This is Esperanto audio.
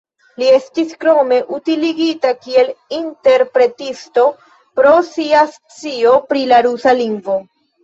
Li estis krome utiligita kiel interpretisto pro sia scio pri la rusa lingvo.